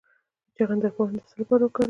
د چغندر پاڼې د څه لپاره وکاروم؟